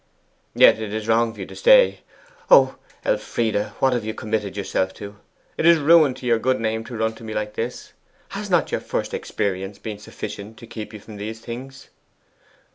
'Yet it is wrong for you to stay. O Elfride! what have you committed yourself to? It is ruin to your good name to run to me like this! Has not your first experience been sufficient to keep you from these things?